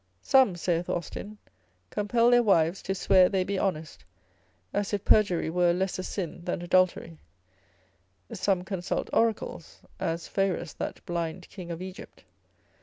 Some, saith Austin, compel their wives to swear they be honest, as if perjury were a lesser sin than adultery; some consult oracles, as Phaerus that blind king of Egypt.